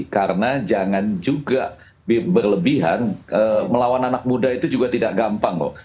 karena jangan juga berlebihan melawan anak muda itu juga tidak gampang loh